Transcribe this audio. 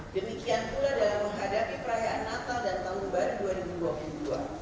demikian pula dalam menghadapi perayaan natal dan tahun baru dua ribu dua puluh dua